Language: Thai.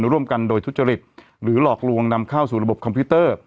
ร่วมกันโดยทุจริตหรือหลอกลวงนำเข้าสู่ระบบคอมพิวเตอร์